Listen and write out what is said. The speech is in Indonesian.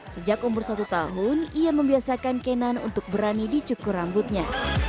sejak umur satu tahun ia membiasakan kenan untuk berani dicukur rambutnya